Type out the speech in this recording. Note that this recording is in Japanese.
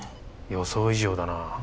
予想以上だな。